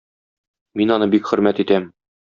Мин аны бик хөрмәт итәм.